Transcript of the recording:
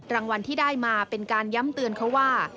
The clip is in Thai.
รางวัลที่ได้มาเป็นการย้ำเตือนเขาว่า